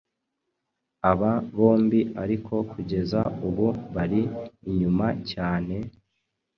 Aba bombi ariko kugeza ubu bari inyuma cyane,